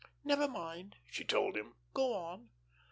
"Never mind," she told him, "go on."